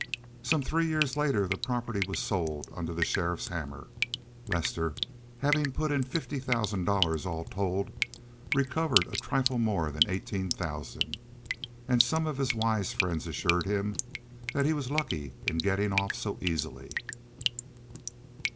Some three years later the property was sold under the sheriff's hammer. Lester, having put in fifty thousand dollars all told, recovered a trifle more than eighteen thousand; and some of his wise friends assured him that he was lucky in getting off so easily.